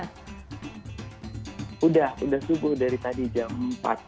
sudah sudah subuh dari tadi jam empat